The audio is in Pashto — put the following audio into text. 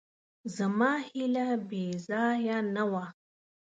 زما هیله بېځایه نه وه.